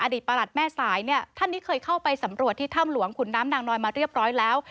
ประหลัดแม่สายเนี่ยท่านนี้เคยเข้าไปสำรวจที่ถ้ำหลวงขุนน้ำนางนอนมาเรียบร้อยแล้ว